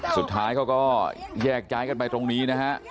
สุดท้ายเขาก็แยกย้ายกันไปตรงนี้นะฮะ